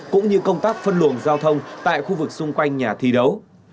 cũng như công tác phân luồng giao thông tại khu vực xung quanh nhà thi đấu